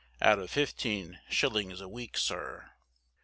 Out of fifteen shillings a week, sir.